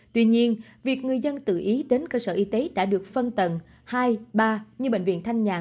tuy nhiên việc người dân tự ý đến cơ sở y tế đã được phân tầng hai ba như bệnh viện thanh nhàn